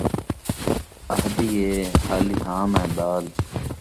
اہدی اے حالی ہاں میں ٻال